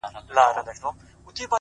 پوهه د شکونو پر ځای رڼا راولي,